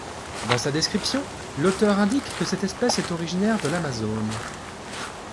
Dans sa description, l'auteur indique que cette espèce est originaire de l'Amazone.